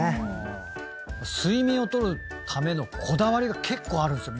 睡眠を取るためのこだわりが結構あるんですよ